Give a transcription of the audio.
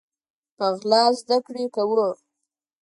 په غلا زده کړي کوو